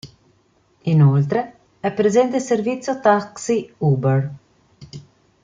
Inoltre è presente il servizio taxi Uber.